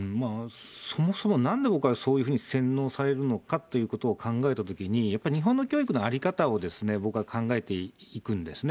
そもそもなんで洗脳されるのかということを考えたときに、やっぱ日本の教育の在り方を僕は考えていくんですね。